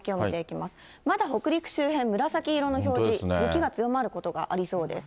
まだ北陸周辺、紫色の表示、雪が強まることがありそうです。